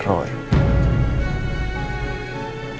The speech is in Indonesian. jadi membuat saya melakukan itu